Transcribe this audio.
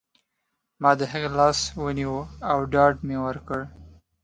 ما د هغې لاس ونیو او ډاډ مې ورکړ